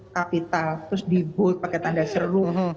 kapital terus dibuat pakai tanda seru